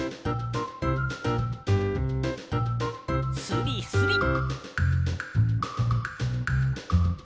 スリスリ。